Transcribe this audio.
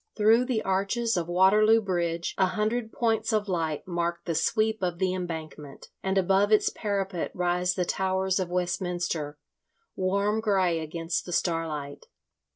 Through the arches of Waterloo Bridge a hundred points of light mark the sweep of the Embankment, and above its parapet rise the towers of Westminster, warm grey against the starlight.